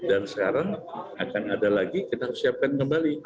dan sekarang akan ada lagi kita siapkan kembali